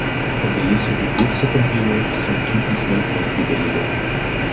When the user reboots the computer, some cookies may not be deleted.